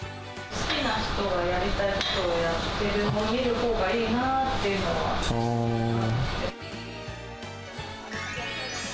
好きな人がやりたいことをやってるのを見るほうがいいなっていうのがあって。